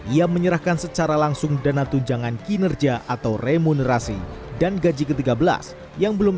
ia menyerahkan secara langsung dana tunjangan kinerja atau remunerasi dan gaji ke tiga belas yang belum